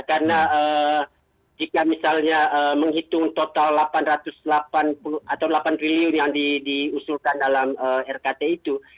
karena jika misalnya menghitung total delapan ratus delapan puluh atau delapan triliun yang diusulkan dalam rkt itu